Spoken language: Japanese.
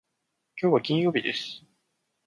きょうは金曜日です。